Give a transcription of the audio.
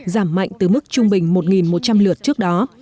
giảm mạnh từ mức trung bình một một trăm linh lượt trước đó